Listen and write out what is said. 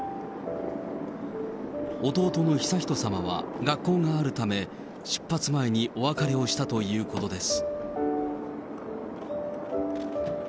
弟の悠仁さまは学校があるため、出発前にお別れをしたということです。